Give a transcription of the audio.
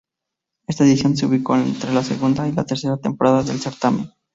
Esta edición se ubicó entre la segunda y la tercera temporada del certamen.